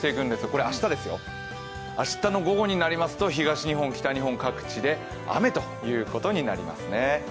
これ明日ですよ、明日の午後になりますと東日本、北日本各地で雨ということになりますね。